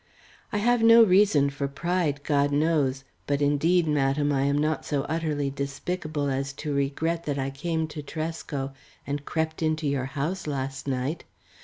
"I have no reason for pride, God knows, but indeed, Madam, I am not so utterly despicable as to regret that I came to Tresco and crept into your house last night.